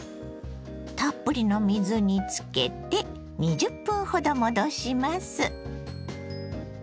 たっぷりの水につけて２０分ほど戻します。